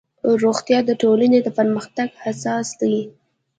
روغتیا د ټولنې د پرمختګ اساس دی